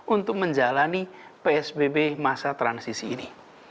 untuk menjalani psbb masa transisi ini